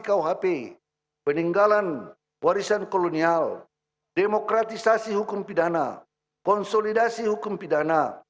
kuhp peninggalan warisan kolonial demokratisasi hukum pidana konsolidasi hukum pidana